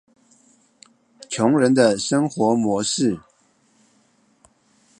窮人的生活模式